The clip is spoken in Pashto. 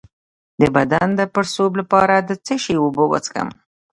د بدن د پړسوب لپاره د څه شي اوبه وڅښم؟